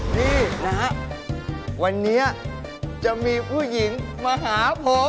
นี่นะฮะวันนี้จะมีผู้หญิงมาหาผม